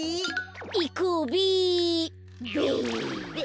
いこうべべ。